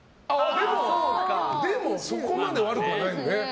でも、そこまで悪くはない。